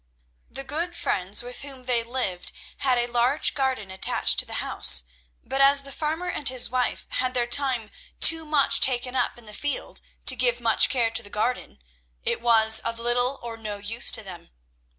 The good friends with whom they lived had a large garden attached to the house, but as the farmer and his wife had their time too much taken up in the field to give much care to the garden, it was of little or no use to them.